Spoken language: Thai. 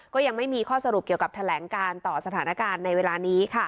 ก็ยังไม่มีข้อสรุปเกี่ยวกับแถลงการต่อสถานการณ์ในเวลานี้